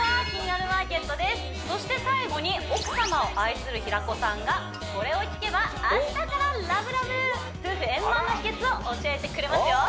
そして最後に奥様を愛する平子さんがこれを聞けば明日からラブラブ夫婦円満の秘訣を教えてくれますよ